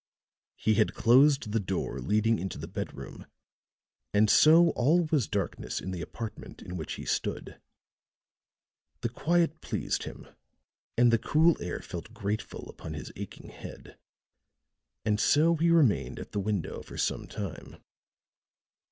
He had closed the door leading into the bedroom, and so all was darkness in the apartment in which he stood. The quiet pleased him, and the cool air felt grateful upon his aching head and so he remained at the window for some time.